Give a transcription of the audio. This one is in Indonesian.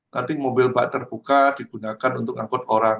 nanti mobil bak terbuka digunakan untuk angkut orang